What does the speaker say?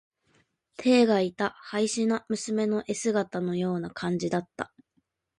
てえがいた、稗史的な娘の絵姿のような感じだった。